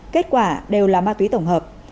kết quả đều là ma túy tổng hợp